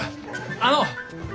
あの！